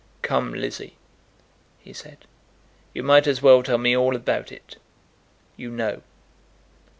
"Come, Lizzie," he said, "you might as well tell me all about it. You know."